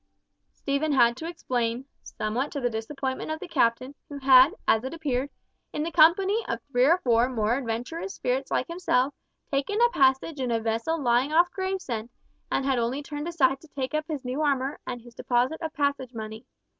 Stephen had to explain, somewhat to the disappointment of the Captain, who had, as it appeared, in the company of three or four more adventurous spirits like himself, taken a passage in a vessel lying off Gravesend, and had only turned aside to take up his new armour and his deposit of passage money.